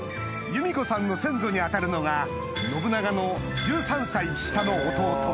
裕美子さんの先祖に当たるのが信長の１３歳下の弟